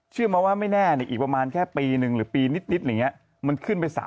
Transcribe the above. เชื่อมาว่าไม่แน่อีกประมาณแค่ปีนึงหรือปีนิดมันขึ้นไป๓๐๐๐๐บาท